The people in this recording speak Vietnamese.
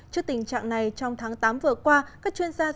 trước tình trạng này trong tháng tám vừa qua